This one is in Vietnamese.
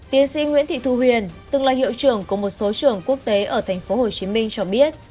tiến sĩ nguyễn thị thu huyền từng là hiệu trưởng của một số trường quốc tế ở tp hcm cho biết